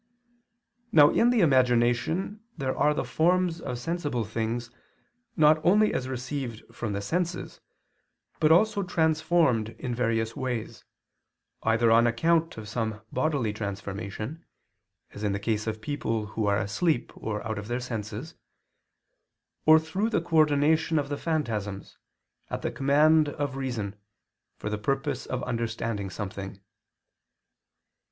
Now in the imagination there are the forms of sensible things not only as received from the senses, but also transformed in various ways, either on account of some bodily transformation (as in the case of people who are asleep or out of their senses), or through the coordination of the phantasms, at the command of reason, for the purpose of understanding something.